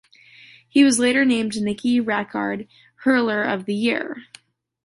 He was later named Nicky Rackard Hurler of the Year.